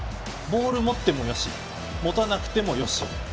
ボールを持ってもよし持たなくてもよし。